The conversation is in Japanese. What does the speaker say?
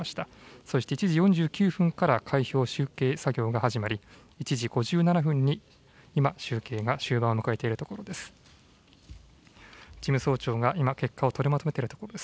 そして１時４９分から開票・集計作業が始まり、１時５７分に、今、集計が終盤を迎えているところです。